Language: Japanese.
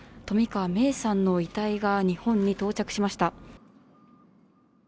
冨川芽生さんの遺体が日本に到着しました。